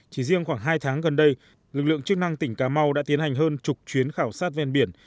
chỉ riêng khoảng hai tháng gần đây lực lượng chức năng tỉnh cà mau đã tiến hành hơn chục chuyến khảo sát ven biển